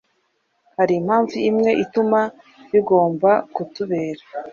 Hari impamvu imwe ituma bigomba kutubera